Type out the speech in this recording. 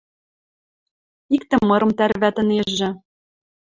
Иктӹ мырым тӓрвӓтӹнежӹ.